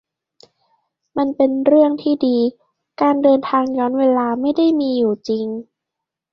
มันเป็นเรื่องที่ดีที่การเดินทางย้อนเวลาไม่ได้มีอยู่จริง